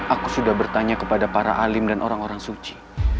aku sudah bertanya kepada para alim dan orang orang suci